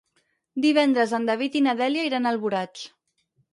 Divendres en David i na Dèlia iran a Alboraig.